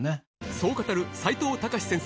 そう語る齋藤孝先生